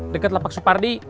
dekat lapak supardi